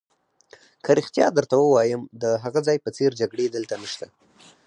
که رښتیا درته ووایم، د هغه ځای په څېر جګړې دلته نشته.